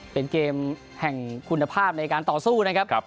เป็นเกมแห่งคุณภาพในการต่อสู้นะครับ